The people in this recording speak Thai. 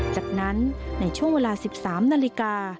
จากนั้นในช่วงเวลา๑๓นาฬิกา